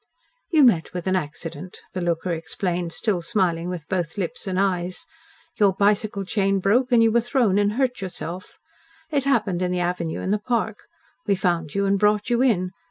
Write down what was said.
"You met with an accident," the "looker" explained, still smiling with both lips and eyes. "Your bicycle chain broke and you were thrown and hurt yourself. It happened in the avenue in the park. We found you and brought you in.